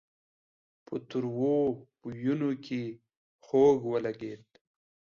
په تروو بويونو کې خوږ ولګېد.